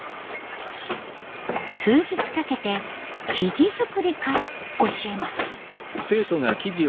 数日かけて生地作りから教えます。